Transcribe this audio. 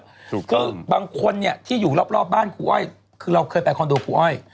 คือบางคนเนี่ยที่อยู่รอบรอบบ้านครูอ้อยคือเราเคยไปคอนโดครูอ้อย